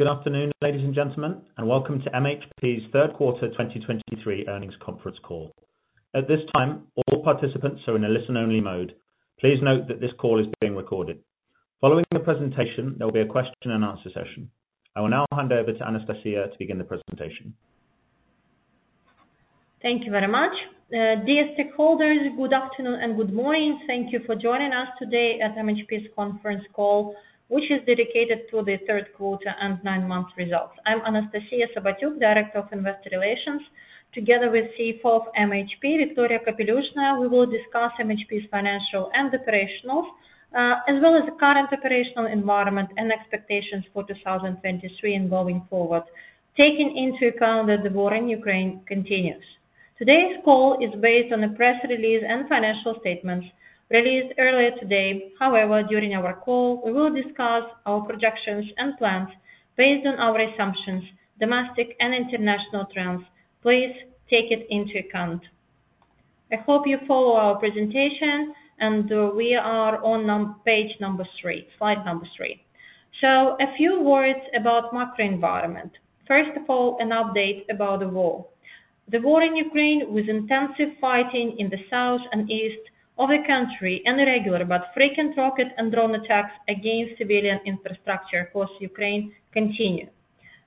Good afternoon, ladies and gentlemen, and welcome to MHP's third quarter 2023 earnings conference call. At this time, all participants are in a listen-only mode. Please note that this call is being recorded. Following the presentation, there will be a question and answer session. I will now hand over to Anastasiya to begin the presentation. Thank you very much. Dear stakeholders, good afternoon and good morning. Thank you for joining us today at MHP's conference call, which is dedicated to the third quarter and nine-month results. I'm Anastasiya Sobotyuk, Director of Investor Relations. Together with CFO of MHP, Viktoria Kapelyushnaya, we will discuss MHP's financial and operational, as well as the current operational environment and expectations for 2023 and going forward, taking into account that the war in Ukraine continues. Today's call is based on a press release and financial statements released earlier today. However, during our call, we will discuss our projections and plans based on our assumptions, domestic and international trends. Please take it into account. I hope you follow our presentation, and, we are on page number three, slide number three. So a few words about macro environment. First of all, an update about the war. The war in Ukraine, with intensive fighting in the south and east of the country and irregular but frequent rocket and drone attacks against civilian infrastructure across Ukraine, continue.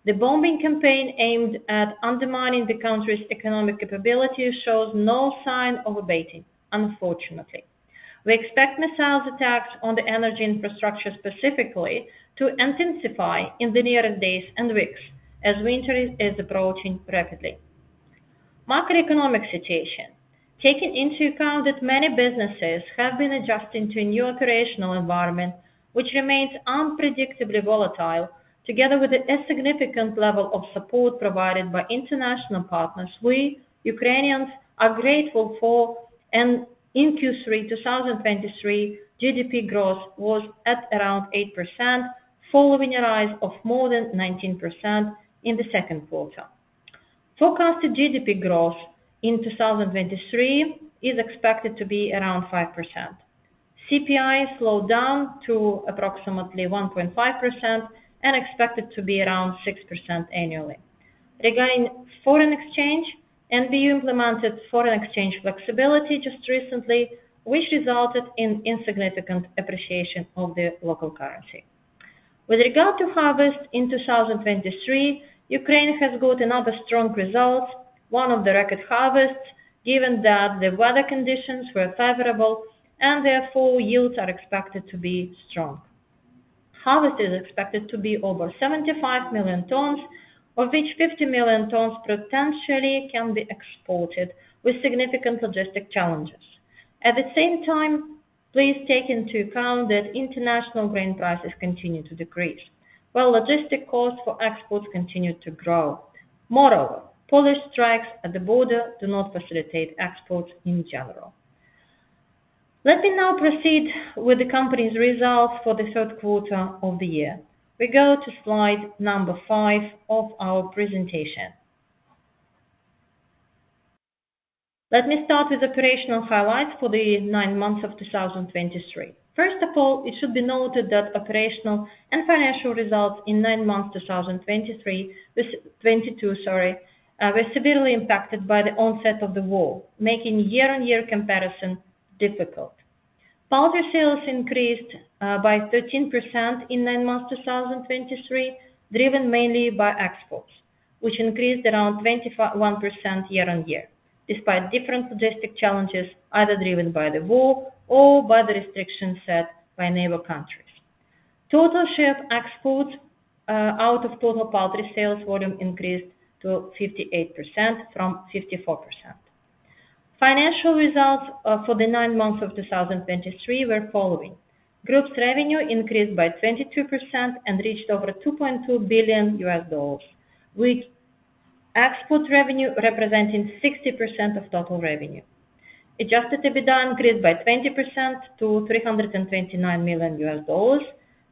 The bombing campaign aimed at undermining the country's economic capability shows no sign of abating, unfortunately. We expect missiles attacks on the energy infrastructure, specifically, to intensify in the nearer days and weeks as winter is approaching rapidly. Macroeconomic situation. Taking into account that many businesses have been adjusting to a new operational environment which remains unpredictably volatile, together with a significant level of support provided by international partners, we Ukrainians are grateful for, and in Q3 2023, GDP growth was at around 8%, following a rise of more than 19% in the second quarter. Forecasted GDP growth in 2023 is expected to be around 5%. CPI slowed down to approximately 1.5% and expected to be around 6% annually. Regarding foreign exchange, NBU implemented foreign exchange flexibility just recently, which resulted in insignificant appreciation of the local currency. With regard to harvest in 2023, Ukraine has got another strong result, one of the record harvests, given that the weather conditions were favorable and therefore yields are expected to be strong. Harvest is expected to be over 75 million tons, of which 50 million tons potentially can be exported with significant logistic challenges. At the same time, please take into account that international grain prices continue to decrease, while logistic costs for exports continue to grow. Moreover, Polish strikes at the border do not facilitate exports in general. Let me now proceed with the company's results for the third quarter of the year. We go to slide number five of our presentation. Let me start with operational highlights for the nine months of 2023. First of all, it should be noted that operational and financial results in nine months, 2023, with 2022, sorry, were severely impacted by the onset of the war, making year-on-year comparison difficult. Poultry sales increased by 13% in nine months, 2023, driven mainly by exports, which increased around 21% year-on-year, despite different logistic challenges, either driven by the war or by the restrictions set by neighbor countries. Total ship exports out of total poultry sales volume increased to 58% from 54%. Financial results for the nine months of 2023 were following: Group's revenue increased by 22% and reached over $2.2 billion, with export revenue representing 60% of total revenue. Adjusted EBITDA increased by 20% to $329 million,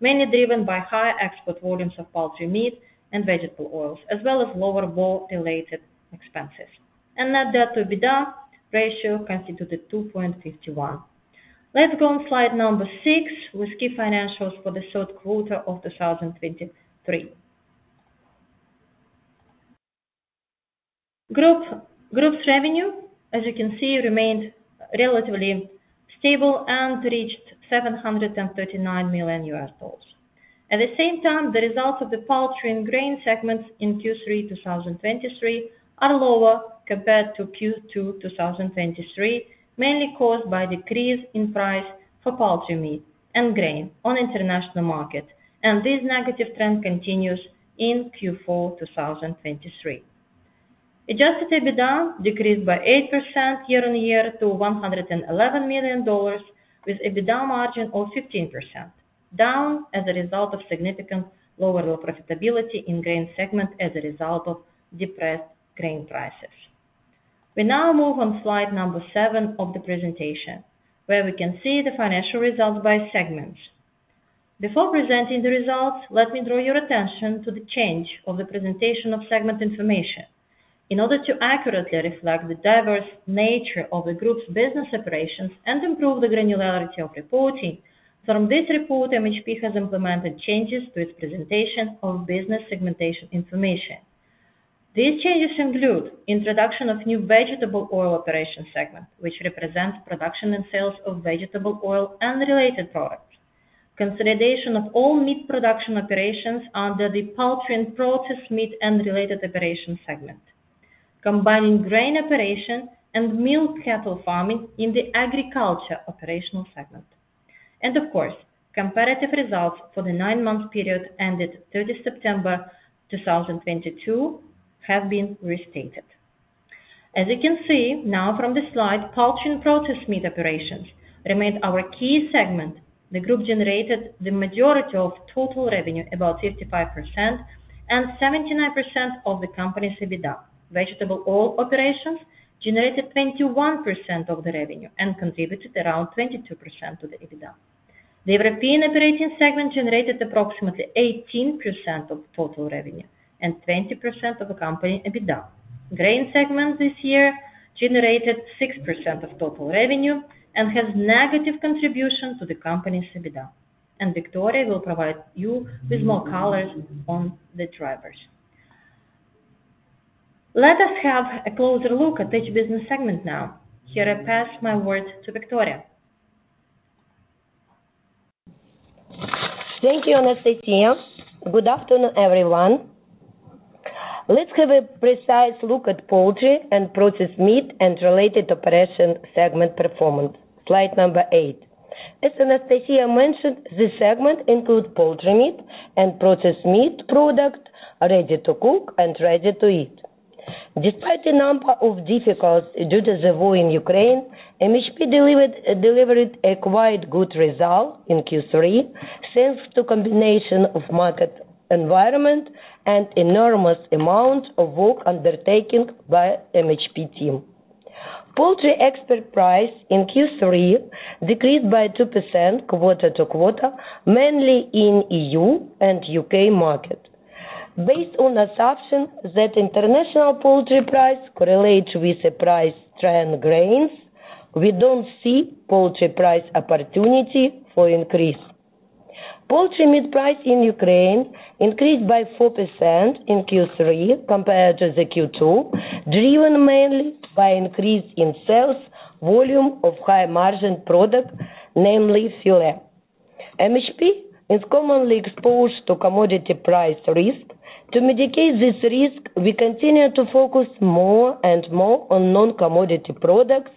mainly driven by higher export volumes of poultry meat and vegetable oils, as well as lower war-related expenses. And net debt to EBITDA ratio constituted 2.51. Let's go on slide number 6 with key financials for the third quarter of 2023. Group's revenue, as you can see, remained relatively stable and reached $739 million. At the same time, the results of the poultry and grain segments in Q3 2023 are lower compared to Q2 2023, mainly caused by decrease in price for poultry meat and grain on international market, and this negative trend continues in Q4 2023. Adjusted EBITDA decreased by 8% year on year to $111 million, with EBITDA margin of 15%, down as a result of significant lower profitability in grain segment as a result of depressed grain prices. We now move on slide number seven of the presentation, where we can see the financial results by segments. Before presenting the results, let me draw your attention to the change of the presentation of segment information. In order to accurately reflect the diverse nature of the group's business operations and improve the granularity of reporting, from this report, MHP has implemented changes to its presentation of business segmentation information. These changes include introduction of new vegetable oil operation segment, which represents production and sales of vegetable oil and related products. Consolidation of all meat production operations under the poultry and processed meat and related operations segment. Combining grain operation and milk cattle farming in the agriculture operational segment. And of course, comparative results for the nine-month period ended 30 September 2022 have been restated. As you can see now from the slide, poultry and processed meat operations remain our key segment. The group generated the majority of total revenue, about 55%, and 79% of the company's EBITDA. Vegetable oil operations generated 21% of the revenue and contributed around 22% to the EBITDA. The European operating segment generated approximately 18% of total revenue and 20% of the company EBITDA. Grain segment this year generated 6% of total revenue and has negative contribution to the company's EBITDA, and Viktoria will provide you with more color on the drivers. Let us have a closer look at each business segment now. Here, I pass my word to Viktoria. Thank you, Anastasiya. Good afternoon, everyone. Let's have a precise look at poultry and processed meat and related operation segment performance. Slide number eight. As Anastasiya mentioned, this segment includes poultry meat and processed meat product, ready to cook and ready to eat. Despite the number of difficulties due to the war in Ukraine, MHP delivered, delivered a quite good result in Q3, thanks to combination of market environment and enormous amount of work undertaken by MHP team. Poultry export price in Q3 decreased by 2% quarter to quarter, mainly in EU and UK market. Based on assumption that international poultry price correlates with the price trend grains, we don't see poultry price opportunity for increase. Poultry meat price in Ukraine increased by 4% in Q3 compared to the Q2, driven mainly by increase in sales volume of high margin product, namely fillet. MHP is commonly exposed to commodity price risk. To mitigate this risk, we continue to focus more and more on non-commodity products,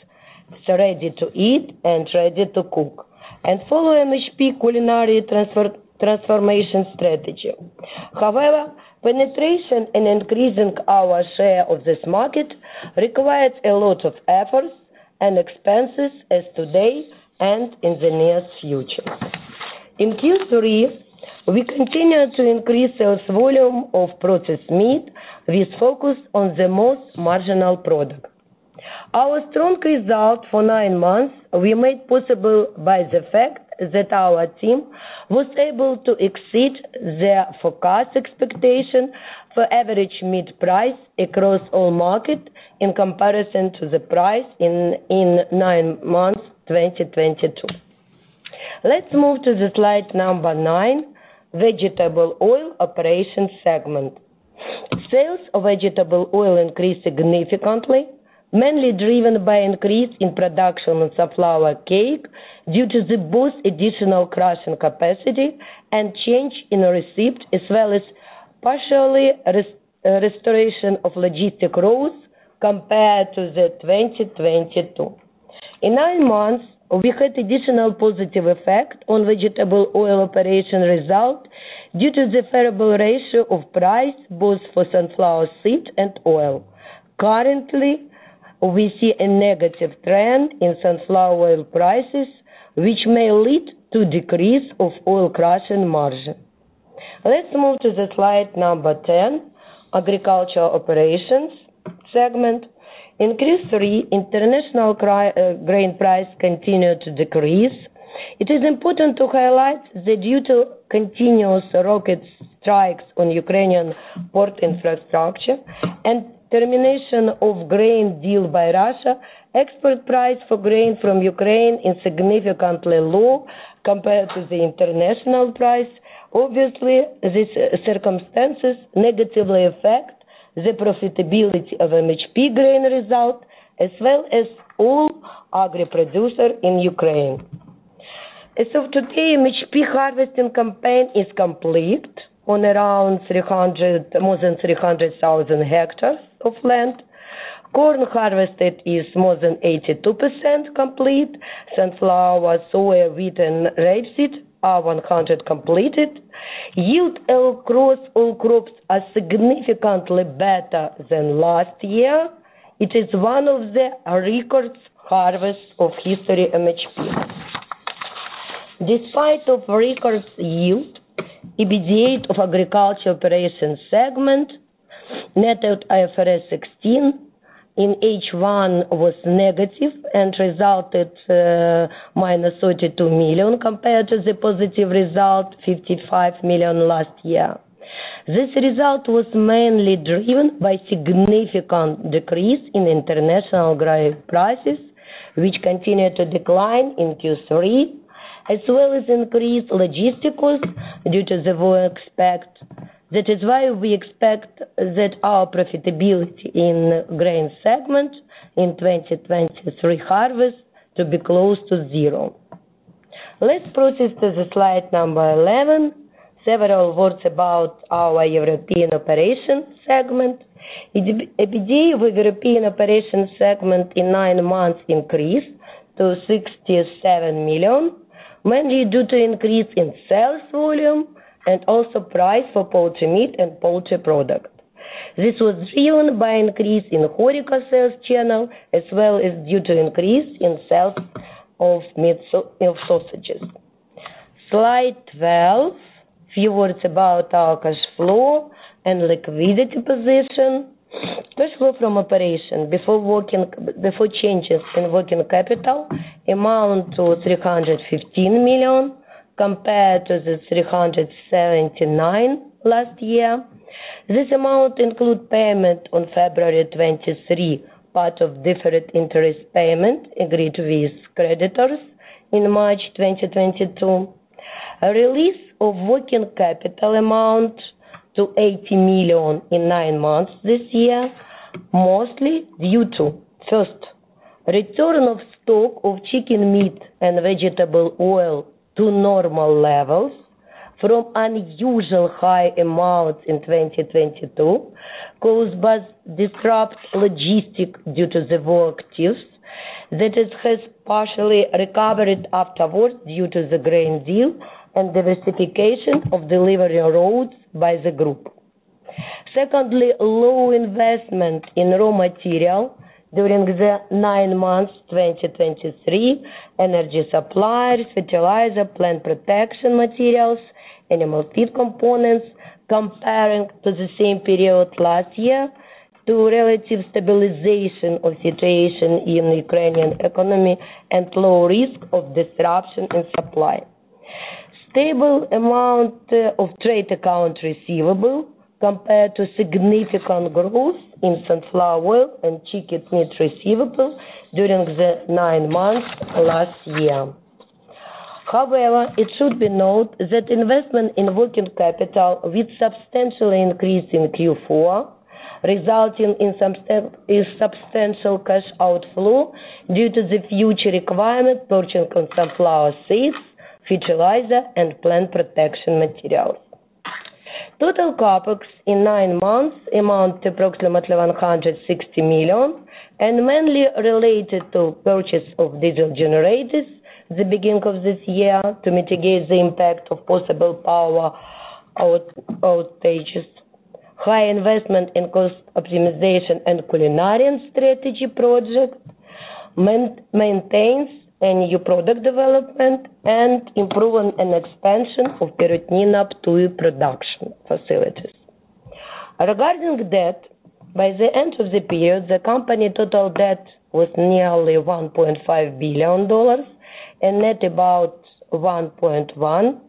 so ready to eat and ready to cook, and follow MHP culinary transform, transformation strategy. However, penetration in increasing our share of this market requires a lot of efforts and expenses as today and in the near future. In Q3, we continued to increase sales volume of processed meat with focus on the most marginal product. Our strong result for nine months were made possible by the fact that our team was able to exceed their forecast expectation for average meat price across all market in comparison to the price in nine months, 2022. Let's move to the slide number nine, vegetable oil operations segment. Sales of vegetable oil increased significantly, mainly driven by increase in production of sunflower cake, due to both additional crushing capacity and change in receipt, as well as partial restoration of logistic growth compared to 2022. In nine months, we had additional positive effect on vegetable oil operation result due to the favorable ratio of price, both for sunflower seed and oil. Currently, we see a negative trend in sunflower oil prices, which may lead to decrease of oil crushing margin. Let's move to the slide number 10, agricultural operations segment. In Q3, international grain price continued to decrease. It is important to highlight that due to continuous rocket strikes on Ukrainian port infrastructure and termination of grain deal by Russia, export price for grain from Ukraine is significantly low compared to the international price. Obviously, these circumstances negatively affect the profitability of MHP grain result, as well as all agri producers in Ukraine. As of today, MHP harvesting campaign is complete on around 300, more than 300,000 hectares of land. Corn harvested is more than 82% complete. Sunflower, soya, wheat, and rapeseed are 100% completed. Yield across all crops are significantly better than last year. It is one of the record harvests of history MHP. Despite of record yield, EBITDA of agriculture operations segment, netted IFRS 16 in H1 was negative and resulted -$32 million compared to the positive result $55 million last year. This result was mainly driven by significant decrease in international grain prices, which continued to decline in Q3, as well as increased logistical costs due to the war expect. That is why we expect that our profitability in grain segment in 2023 harvest to be close to zero. Let's proceed to the slide number 11. Several words about our European operation segment. EBITDA with European operation segment in nine months increased to $67 million, mainly due to increase in sales volume and also price for poultry meat and poultry product. This was driven by increase in HoReCa sales channel, as well as due to increase in sales of meat, of sausages. Slide 12, few words about our cash flow and liquidity position. Cash flow from operation before working, before changes in working capital amount to $315 million, compared to the $379 million last year. This amount include payment on February 23, part of deferred interest payment agreed with creditors in March 2022. A release of working capital amounted to $80 million in nine months this year, mostly due to, first, return of stock of chicken meat and vegetable oil to normal levels from unusually high amounts in 2022, caused by disrupted logistics due to the war activities, which has partially recovered afterwards due to the grain deal and diversification of delivery routes by the group. Secondly, low investment in raw material during the nine months 2023, energy suppliers, fertilizer, plant protection materials, animal feed components, compared to the same period last year, due to relative stabilization of situation in Ukrainian economy and low risk of disruption in supply. Stable amount of trade accounts receivable compared to significant growth in sunflower oil and chicken meat receivable during the nine months last year. However, it should be noted that investment in working capital will substantially increase in Q4, resulting in substantial cash outflow due to the future requirement purchasing of sunflower seeds, fertilizer, and plant protection materials. Total CapEx in nine months amount to approximately $160 million, and mainly related to purchase of diesel generators the beginning of this year, to mitigate the impact of possible power outages, high investment in cost optimization and culinary strategy project, maintains new product development, and improving and expansion of Perutnina Ptuj production facilities. Regarding debt, by the end of the period, the company total debt was nearly $1.5 billion, a net about $1.1 billion.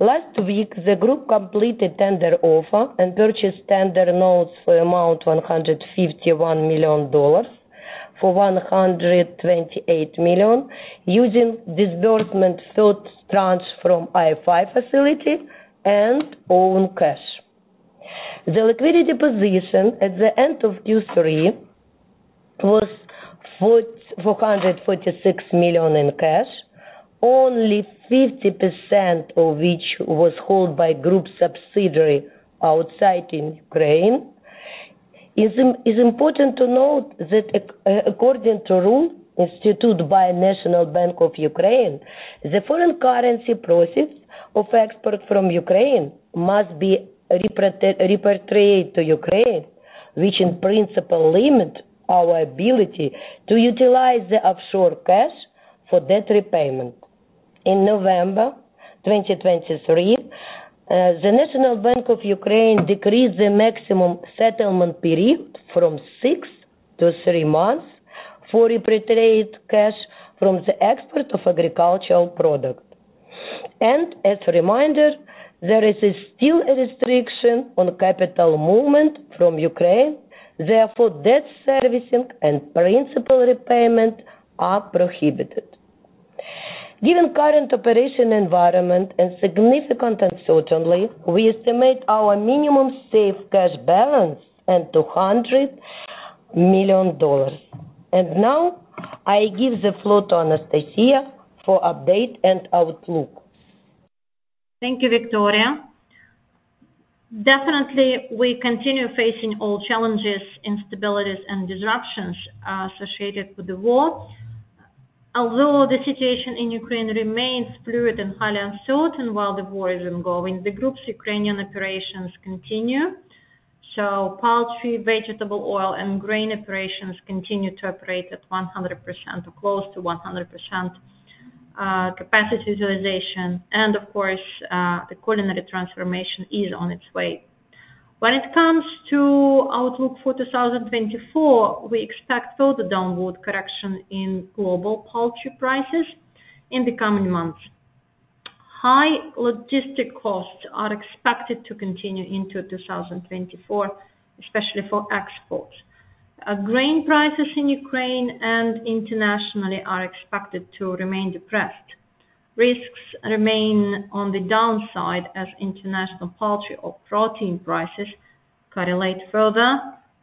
Last week, the group completed tender offer and purchased tender notes for amount $151 million for $128 million, using disbursement third tranche from IFI facility and own cash. The liquidity position at the end of Q3 was $446 million in cash, only 50% of which was held by group subsidiary outside in Ukraine. It is important to note that according to rule instituted by National Bank of Ukraine, the foreign currency proceeds of export from Ukraine must be repatriated to Ukraine, which in principle limit our ability to utilize the offshore cash for debt repayment. In November 2023, the National Bank of Ukraine decreased the maximum settlement period from six to three months for repatriate cash from the export of agricultural product. As a reminder, there is still a restriction on capital movement from Ukraine, therefore, debt servicing and principal repayment are prohibited. Given current operational environment and significant uncertainty, we estimate our minimum safe cash balance at $200 million. And now, I give the floor to Anastasiya for update and outlook. Thank you, Viktoria. Definitely, we continue facing all challenges, instabilities, and disruptions associated with the war. Although the situation in Ukraine remains fluid and highly uncertain while the war is ongoing, the group's Ukrainian operations continue. So poultry, vegetable oil, and grain operations continue to operate at 100% or close to 100% capacity utilization, and of course, the coordinated transformation is on its way. When it comes to outlook for 2024, we expect further downward correction in global poultry prices in the coming months. High logistic costs are expected to continue into 2024, especially for exports. Grain prices in Ukraine and internationally are expected to remain depressed. Risks remain on the downside as international poultry or protein prices correlate further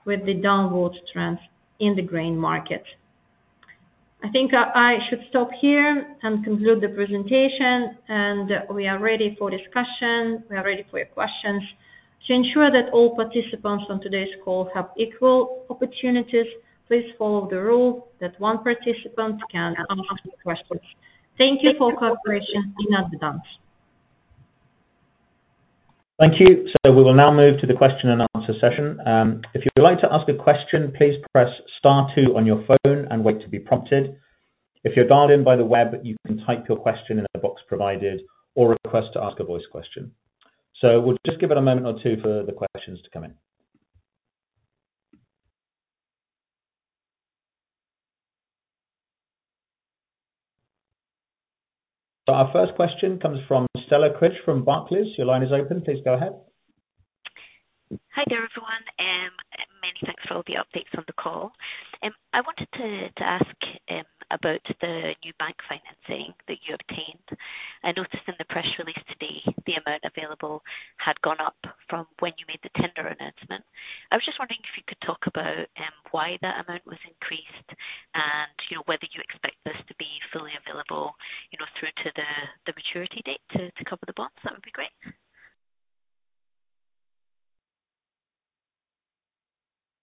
with the downward trends in the grain market. I think I, I should stop here and conclude the presentation, and we are ready for discussion. We are ready for your questions. To ensure that all participants on today's call have equal opportunities, please follow the rule that one participant can ask questions. Thank you for your cooperation in advance. Thank you. So we will now move to the question and answer session. If you'd like to ask a question, please press star two on your phone and wait to be prompted. If you're dialed in by the web, you can type your question in the box provided or request to ask a voice question. So we'll just give it a moment or two for the questions to come in. So our first question comes from Stella Cridge from Barclays. Your line is open. Please go ahead. Hi there, everyone, many thanks for all the updates on the call. I wanted to ask about the new bank financing that you obtained. I noticed in the press release today, the amount available had gone up from when you made the tender announcement. I was just wondering if you could talk about why that amount was increased and, you know, whether you expect this to be fully available, you know, through to the maturity date to cover the bonds. That would be great.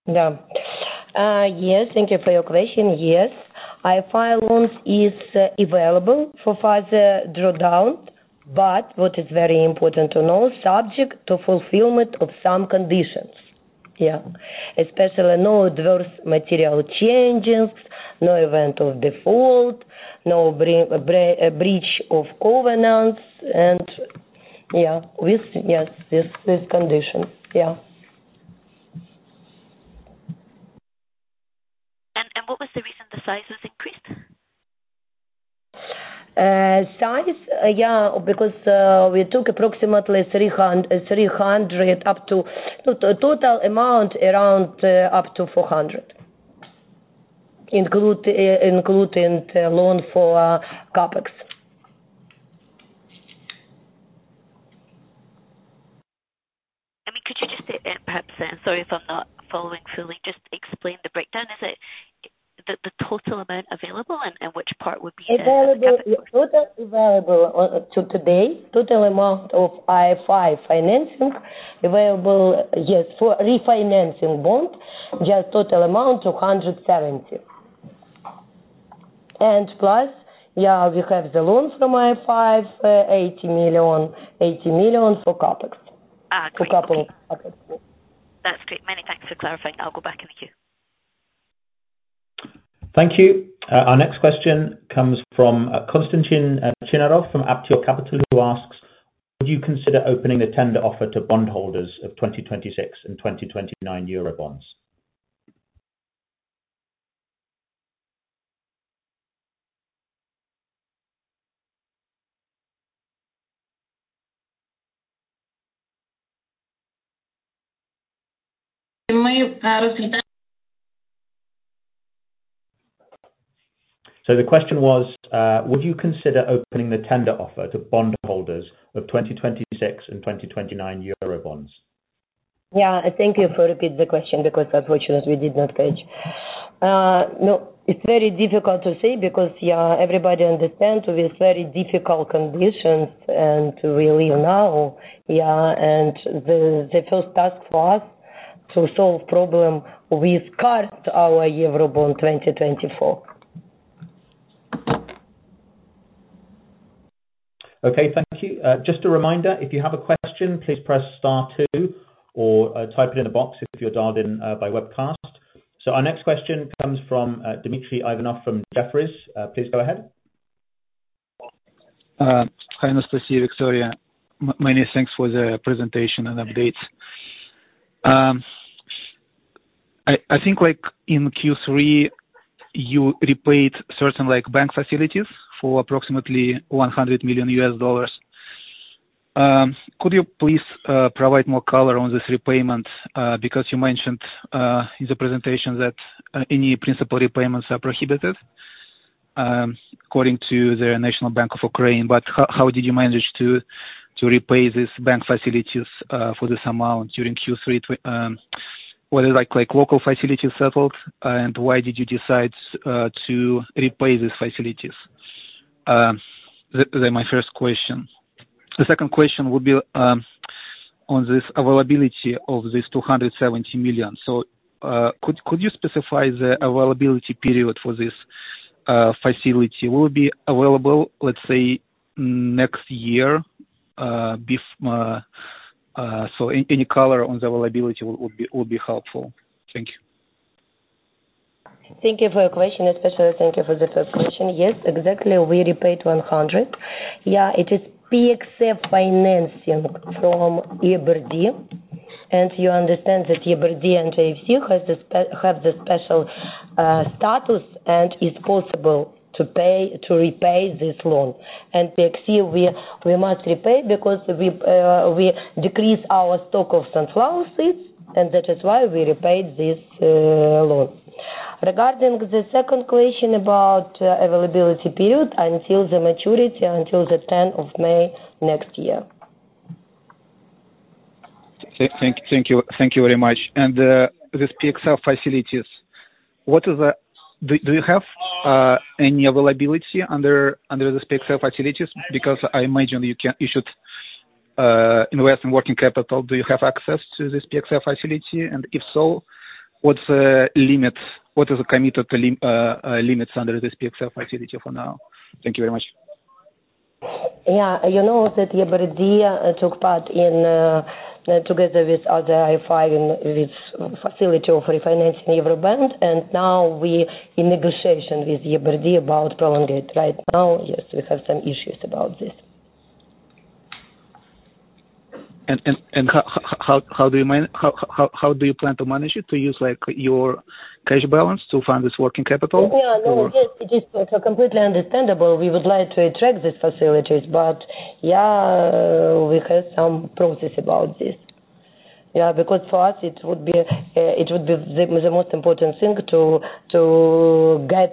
Yeah. Yes, thank you for your question. Yes, IFI loans is available for further drawdown, but what is very important to know, subject to fulfillment of some conditions. Yeah. Especially no adverse material changes, no event of default, no breach of covenants, and with conditions. What was the reason the sizes increased? Size? Yeah, because we took approximately $300 up to total amount around up to $400, including the loan for CapEx. I mean, could you just say, perhaps, sorry if I'm not following fully, just explain the breakdown. Is it the total amount available and which part would be the Available, total available, to today, total amount of IFI financing available, yes, for refinancing bond, just total amount $270 million. And plus, yeah, we have the loan from IFI, $80 million, $80 million for CapEx. Ah, great. To couple CapEx. That's great. Many thanks for clarifying. I'll go back in the queue. Thank you. Our next question comes from Konstantin Chinarov from Aptior Capital, who asks: Would you consider opening a tender offer to bondholders of 2026 and 2029 euro bonds? Can we receive that? The question was, would you consider opening the tender offer to bondholders of 2026 and 2029 Eurobonds? Yeah, thank you for repeat the question, because unfortunately we did not catch. No, it's very difficult to say because, yeah, everybody understands with very difficult conditions and we live now, yeah, and the first task for us to solve problem with current our Eurobond 2024. Okay, thank you. Just a reminder, if you have a question, please press star two or type it in the box if you're dialed in by webcast. So our next question comes from Dmitry Ivanov from Jefferies. Please go ahead. Hi, Viktoria. Many thanks for the presentation and updates. I think like in Q3, you repaid certain, like, bank facilities for approximately $100 million. Could you please provide more color on this repayment? Because you mentioned in the presentation that any principal repayments are prohibited according to the National Bank of Ukraine, but how did you manage to repay these bank facilities for this amount during Q3, Were they, like, like, local facilities settled? And why did you decide to repay these facilities? They're my first question. The second question would be on this availability of this $270 million. So, could you specify the availability period for this facility? Will it be available, let's say, next year, Any color on the availability would be helpful. Thank you. Thank you for your question, especially thank you for the first question. Yes, exactly, we repaid $100. Yeah, it is PXF financing from EBRD, and you understand that EBRD and IFC have the special status, and it's possible to pay, to repay this loan. And PXF, we must repay because we decrease our stock of sunflower seeds, and that is why we repaid this loan. Regarding the second question about availability period, until the maturity, until the tenth of May next year. Thank you, thank you very much. And this PXF facilities, what is the? Do you have any availability under the PXF facilities? Because I imagine you should invest in working capital. Do you have access to this PXF facility? And if so, what's the limits? What is the committed to limits under this PXF facility for now? Thank you very much. Yeah. You know, that EBRD took part in, together with other IFIs, in this facility of refinancing Eurobond, and now we in negotiation with EBRD about prolongation. Right now, yes, we have some issues about this. How do you plan to manage it? To use, like, your cash balance to fund this working capital? Yeah, no, it is, it's completely understandable. We would like to attract these facilities, but yeah, we have some process about this. Yeah, because for us, it would be, it would be the, the most important thing to, to get,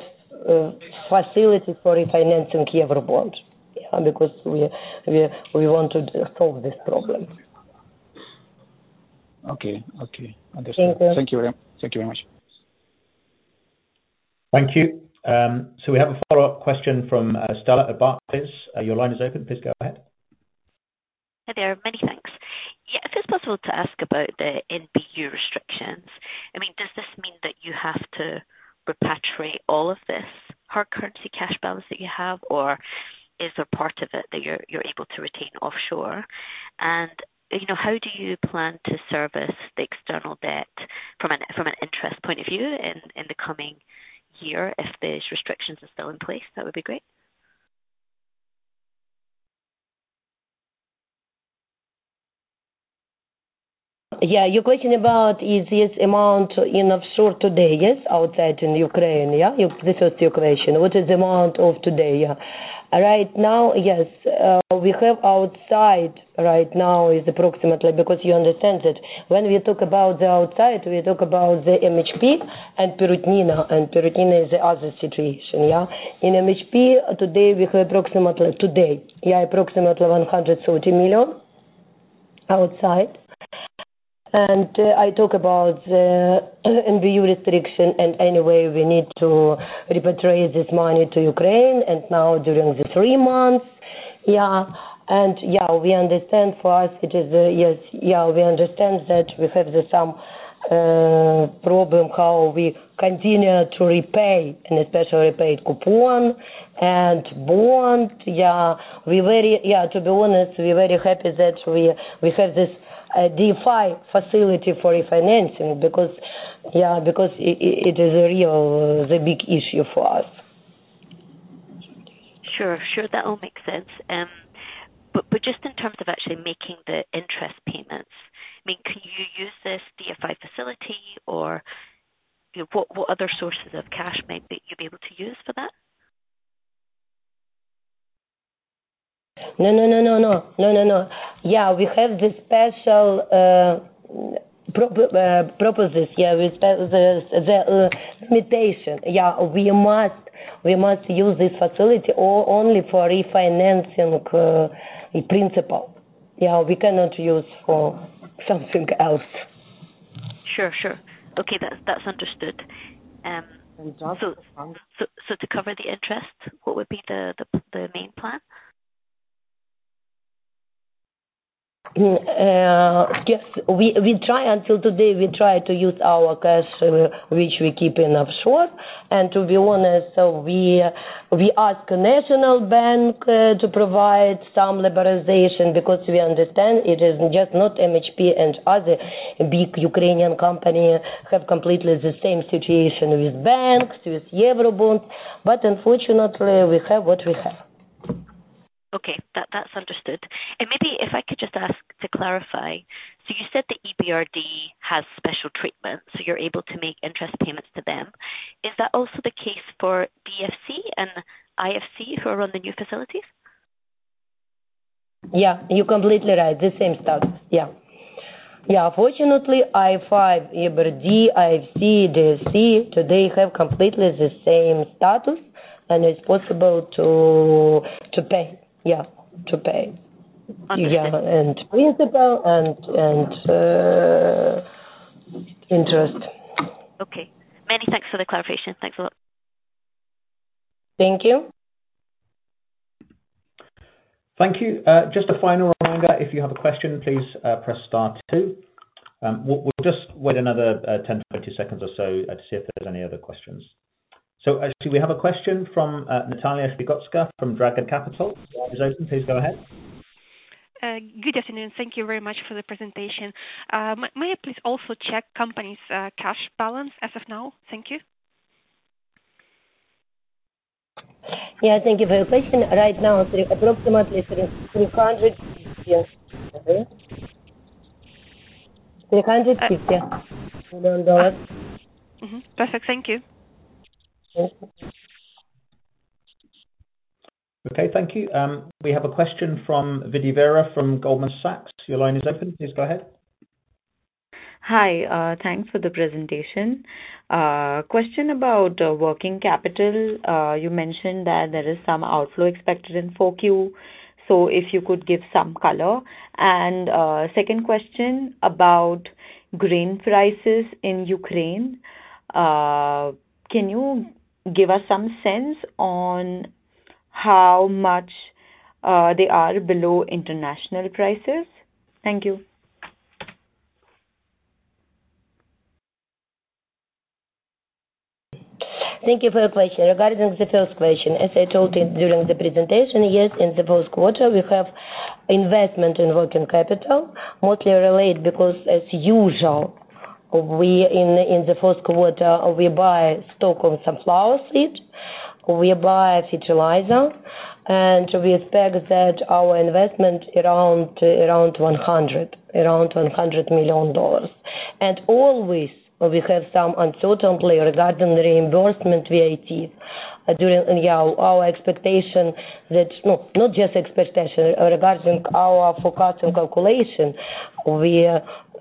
facilities for refinancing Kyiv bond. Yeah, because we, we, we want to solve this problem. Okay. Okay. Understood. Thank you. Thank you very much. Thank you very much. Thank you. So we have a follow-up question from Stella at Barclays. Your line is open. Please go ahead. Hi there, many thanks. Yeah, if it's possible to ask about the NBU restrictions. I mean, does this mean that you have to repatriate all of this hard currency cash balance that you have, or is there part of it that you're able to retain offshore? And, you know, how do you plan to service the external debt from an interest point of view in the coming year, if these restrictions are still in place? That would be great. Yeah. Your question about is this amount in offshore today, yes, outside in Ukraine, yeah? This is your question. What is the amount of today, yeah. Right now, yes, we have outside right now is approximately... Because you understand that when we talk about the outside, we talk about the MHP and Perutnina, and Perutnina is the other situation, yeah? In MHP, today we have approximately, today, yeah, approximately $130 million outside. And, I talk about the NBU restriction, and anyway, we need to repatriate this money to Ukraine, and now during the three months, yeah. And, yeah, we understand for us it is, yes, yeah, we understand that we have the some problem how we continue to repay, and especially repay coupon and bond, yeah. We very, Yeah, to be honest, we're very happy that we have this DFI facility for refinancing, because, yeah, because it is a real big issue for us. Sure. Sure, that all makes sense. But just in terms of actually making the interest payments, I mean, can you use this DFC facility or, you know, what other sources of cash might you be able to use for that? No, no, no, no, no. No, no, no. Yeah, we have this special provisos, yeah, with the limitation. Yeah, we must, we must use this facility only for refinancing the principal. Yeah, we cannot use for something else. Sure. Sure. Okay, that's, that's understood. And also To cover the interest, what would be the main plan? Yes, we try until today to use our cash, which we keep offshore. And to be honest, we ask National Bank to provide some liberalization because we understand it is just not MHP and other big Ukrainian company have completely the same situation with banks, with Eurobond, but unfortunately, we have what we have. Okay, that, that's understood. And maybe if I could just ask to clarify: So you said the EBRD has special treatment, so you're able to make interest payments to them. Is that also the case for DFC and IFC, who are on the new facilities? Yeah, you're completely right. The same status. Yeah. Yeah. Fortunately, IFC, EBRD, IFC, DFC, today have completely the same status, and it's possible to pay. Yeah, to pay. Understood. Yeah, and principal, and interest. Okay. Many thanks for the clarification. Thanks a lot. Thank you. Thank you. Just a final reminder, if you have a question, please press star two. We'll, we'll just wait another 10, 20 seconds or so to see if there's any other questions. So actually, we have a question from Natalia Shpygotska from Dragon Capital. The line is open. Please go ahead. Good afternoon. Thank you very much for the presentation. May I please also check company's cash balance as of now? Thank you. Yeah, thank you for your question. Right now, approximately $350 million. Mm-hmm. Perfect. Thank you. Okay. Okay. Thank you. We have a question from Vidhi Veera from Goldman Sachs. Your line is open. Please go ahead. Hi. Thanks for the presentation. Question about working capital. You mentioned that there is some outflow expected in Q4, so if you could give some color. Second question about grain prices in Ukraine. Can you give us some sense on how much they are below international prices? Thank you. Thank you for the question. Regarding the first question, as I told you during the presentation, yes, in the fourth quarter, we have investment in working capital, mostly relate because, as usual, in the fourth quarter, we buy stock on sunflower seed, we buy fertilizer, and we expect that our investment around $100 million. And always we have some uncertainty regarding the reimbursement VAT during, yeah, our expectation that not just expectation, regarding our forecast calculation, we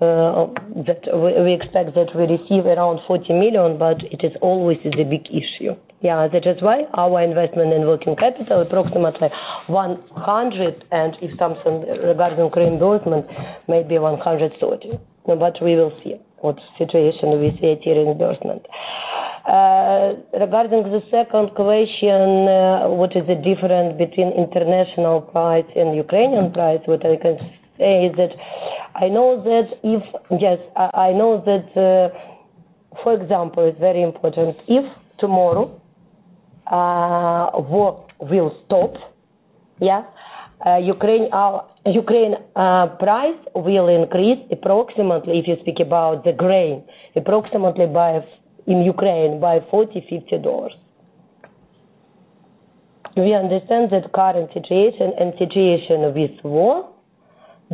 that we expect that we receive around $40 million, but it is always a big issue. Yeah, that is why our investment in working capital is approximately $100 million, and if something regarding reimbursement, maybe $130 million, but we will see what situation we see at reimbursement. Regarding the second question, what is the difference between international price and Ukrainian price? What I can say is that I know that. Yes, I, I know that, for example, it's very important, if tomorrow, war will stop, yeah, Ukraine, Ukraine, price will increase approximately, if you speak about the grain, approximately by, in Ukraine, by $40-$50. We understand that current situation and situation with war,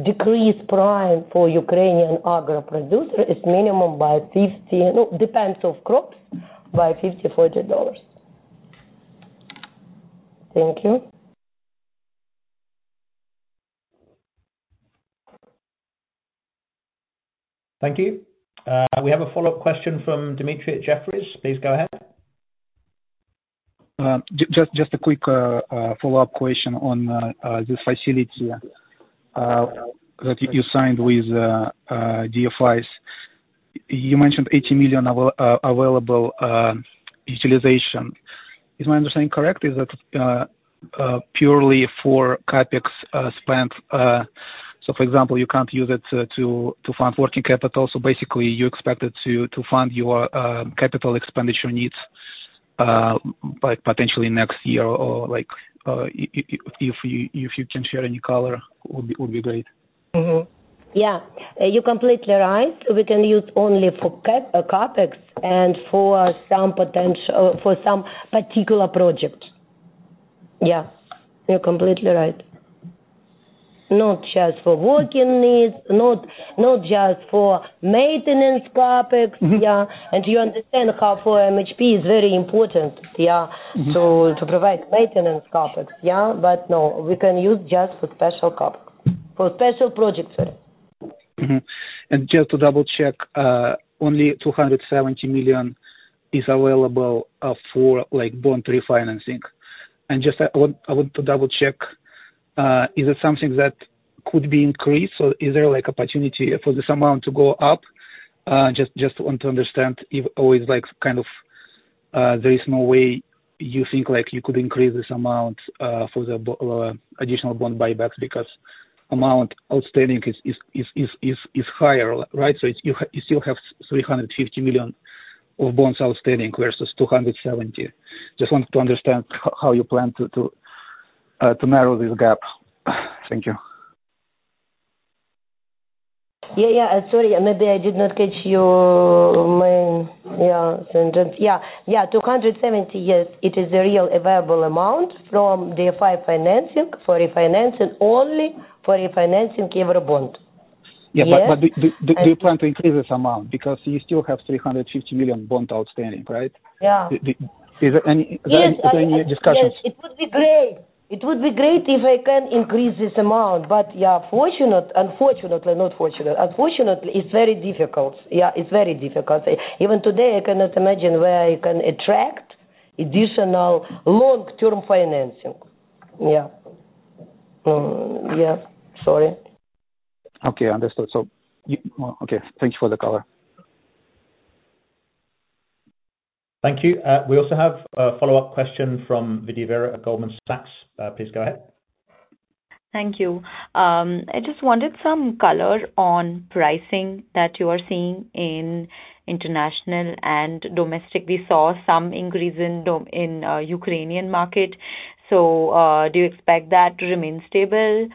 decreased price for Ukrainian agro producer is minimum by $50. No, depends of crops, by $50-$40. Thank you. Thank you. We have a follow-up question from Dmitry at Jefferies. Please go ahead. Just a quick follow-up question on this facility that you signed with DFIs. You mentioned $80 million available utilization. Is my understanding correct, is that purely for CapEx spend? So for example, you can't use it to fund working capital, so basically you expect it to fund your capital expenditure needs by potentially next year, or, like, if you can share any color, would be great. Mm-hmm. Yeah, you're completely right. We can use only for CapEx and for some potential for some particular project. Yeah, you're completely right. Not just for working needs, not just for maintenance CapEx. Mm-hmm. Yeah. And you understand how for MHP is very important, yeah- Mm-hmm so to provide maintenance CapEx, yeah. But no, we can use just for special CapEx, for special projects only. Mm-hmm. And just to double-check, only $270 million is available for, like, bond refinancing. And just, I want to double-check, is it something that could be increased, or is there, like, opportunity for this amount to go up? Just want to understand if always, like, kind of, there is no way you think, like, you could increase this amount for the bond additional bond buybacks, because amount outstanding is higher, right? So it's, you still have $350 million of bonds outstanding versus $270 million. Just want to understand how you plan to narrow this gap. Thank you. Yeah, yeah. Sorry, maybe I did not catch your main, yeah. Yeah, yeah, $270, yes, it is the real available amount from the PXF financing, for refinancing, only for refinancing Eurobond. Yeah. Yes. But do you plan to increase this amount? Because you still have $350 million bond outstanding, right? Yeah. Is there any Yes, I under Any discussions? Yes, it would be great! It would be great if I can increase this amount. But yeah, unfortunately, it's very difficult. Yeah, it's very difficult. Even today, I cannot imagine where I can attract additional long-term financing. Yeah. Sorry. Okay, understood. So you, Okay. Thank you for the color. Thank you. We also have a follow-up question from Vidhi Veera at Goldman Sachs. Please go ahead. Thank you. I just wanted some color on pricing that you are seeing in international and domestic. We saw some increase in domestic in Ukrainian market, so do you expect that to remain stable?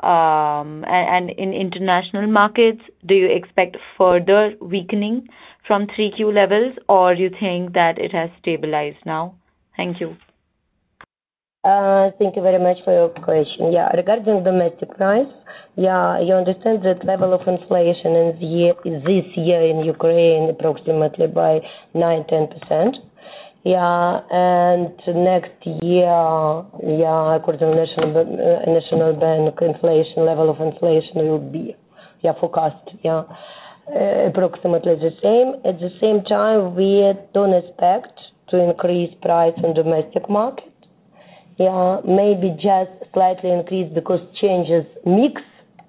And in international markets, do you expect further weakening from 3Q levels, or you think that it has stabilized now? Thank you. Thank you very much for your question. Yeah, regarding domestic price, yeah, you understand that level of inflation in the year, this year in Ukraine, approximately 9%-10%. Yeah, and next year, yeah, according to national bank inflation, level of inflation will be, yeah, forecast, yeah, approximately the same. At the same time, we don't expect to increase price on domestic market. Yeah, maybe just slightly increase because changes mix,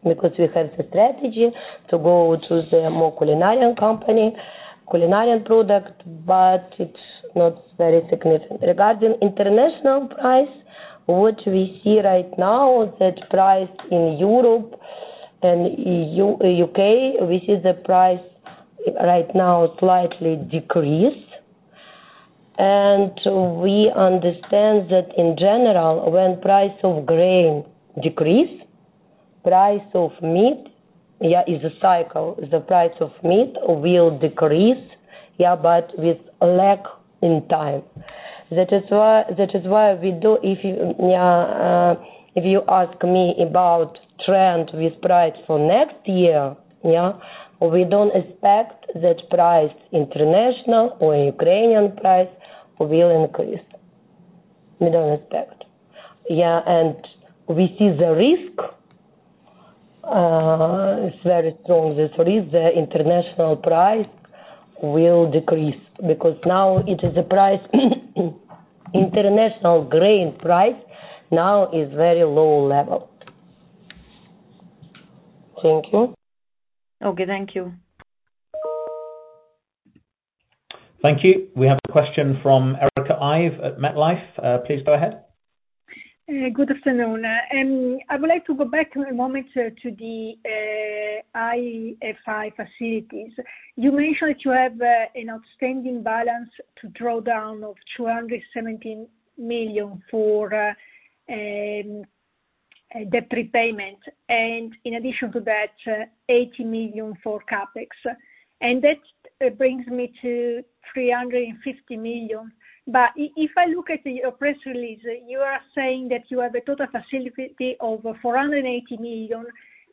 because we have the strategy to go to the more culinary company, culinary product, but it's not very significant. Regarding international price, what we see right now is that price in Europe and U.K., we see the price right now slightly decrease. And we understand that in general, when price of grain decrease, price of meat, yeah, is a cycle. The price of meat will decrease, yeah, but with lag in time. That is why, if you ask me about trend with price for next year, we don't expect that price, international or Ukrainian price, will increase. We don't expect. And we see the risk is very strong. The risk, the international price will decrease because now the international grain price is very low level. Thank you. Okay, thank you. Thank you. We have a question from Erica Ive at MetLife. Please go ahead. Good afternoon. I would like to go back a moment to the IFI facilities. You mentioned that you have an outstanding balance to draw down of $217 million for the prepayment, and in addition to that, $80 million for CapEx. And that brings me to $350 million. But if I look at your press release, you are saying that you have a total facility of $480 million,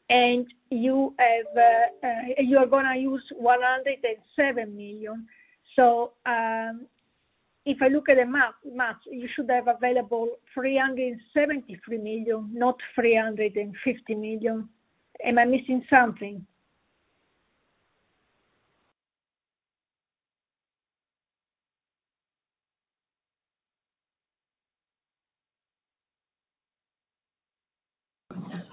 and you have, you are gonna use $107 million. So, if I look at the math, you should have available $373 million, not $350 million. Am I missing something?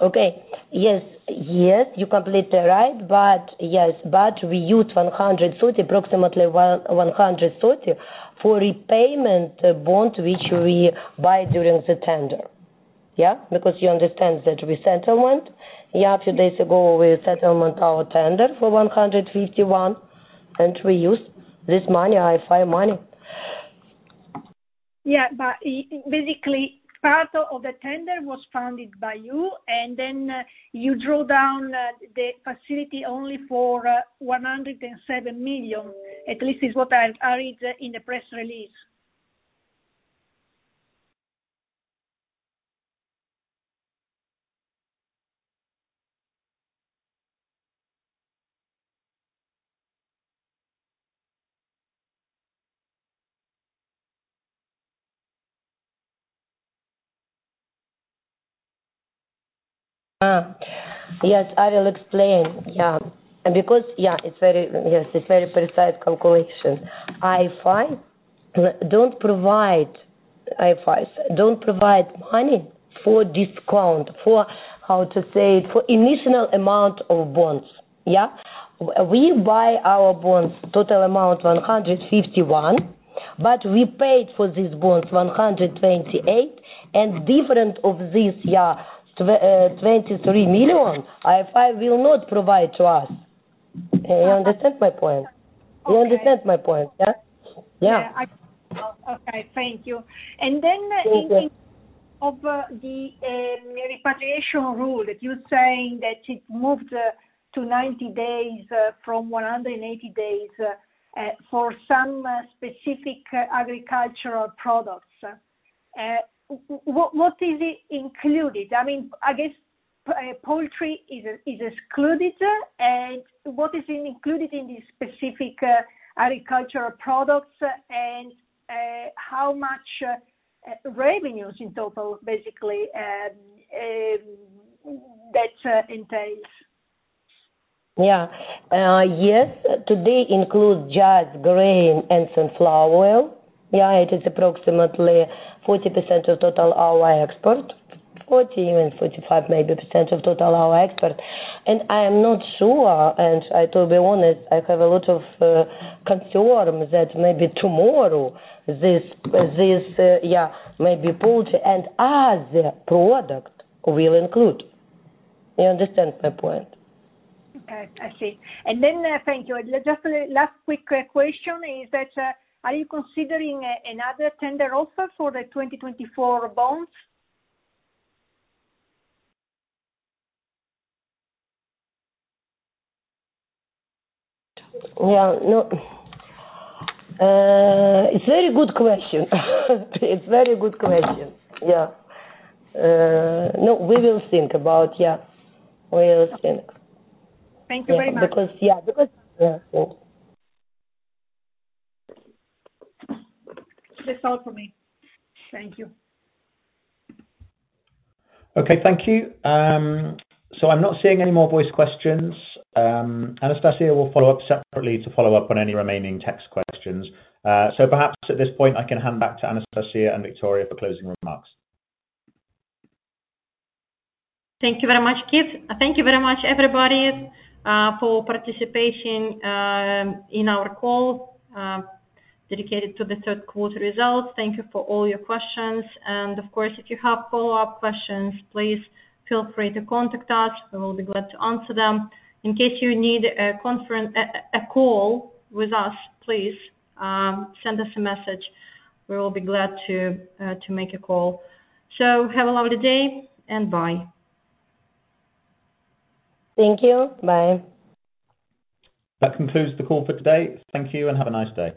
Okay. Yes, yes, you're completely right, but yes, but we used $130, approximately $130 for repayment bond, which we buy during the tender. Yeah, because you understand that we settlement, yeah, a few days ago, we settlement our tender for $151, and we used this money, IFI money. Yeah, but basically, part of the tender was funded by you, and then, you drew down the facility only for $107 million, at least, is what I read in the press release. Yes, I will explain. Because it's very precise calculation. IFI don't provide, IFIs don't provide money for discount, for, how to say, for initial amount of bonds. We buy our bonds, total amount $151 million, but we paid for these bonds $128 million, and difference of this $23 million, IFI will not provide to us. Okay, you understand my point? Okay. You understand my point, yeah? Yeah. Yeah, I do. Okay, thank you. Okay. And then of the repatriation rule, you're saying that it moved to 90 days from 180 days for some specific agricultural products. What is included? I mean, I guess poultry is excluded, and what is included in these specific agricultural products, and how much revenues in total, basically, that entails? Yeah. Yes, today includes just grain and sunflower oil. Yeah, it is approximately 40% of total our export. 40%, even 45%, maybe, [extension] of total our export. And I am not sure, and I, to be honest, I have a lot of concern that maybe tomorrow this, this, yeah, maybe poultry and other product will include. You understand my point? Okay, I see. And then, thank you. Just last quick question is that, are you considering another tender offer for the 2024 bonds? Yeah, no. It's a very good question. It's a very good question. Yeah. No, we will think about, yeah. We will think. Thank you very much. Because, yeah, because That's all for me. Thank you. Okay, thank you. So I'm not seeing any more voice questions. Anastasiya will follow up separately to follow up on any remaining text questions. So perhaps at this point, I can hand back to Anastasiya and Viktoria for closing remarks. Thank you very much, Keith. Thank you very much, everybody, for participation in our call dedicated to the third quarter results. Thank you for all your questions. And of course, if you have follow-up questions, please feel free to contact us, and we'll be glad to answer them. In case you need a conference call with us, please send us a message. We will be glad to make a call. So have a lovely day, and bye. Thank you. Bye. That concludes the call for today. Thank you and have a nice day.